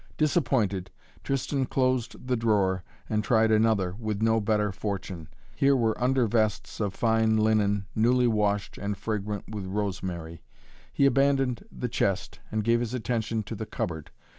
Disappointed, Tristan closed the drawer and tried another, with no better fortune. Here were undervests of fine linen, newly washed and fragrant with rosemary. He abandoned the chest and gave his attention to the cupboard.